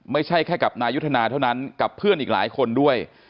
ไม่ใช่แค่กับนายุทธนาเท่านั้นกับเพื่อนอีกหลายคนด้วย